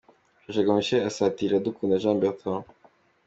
Rusheshangoga Michel asatira Iradukunda Jean Bertrand.